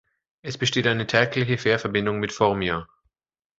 Es besteht eine tägliche Fährverbindung mit Formia.